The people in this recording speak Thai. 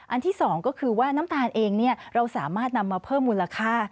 ที่๒ก็คือว่าน้ำตาลเองเราสามารถนำมาเพิ่มมูลค่า